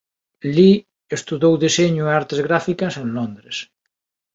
Lee estudou deseño e artes gráficas en Londres.